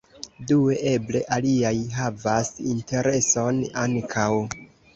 Due eble aliaj havas intereson ankaŭ.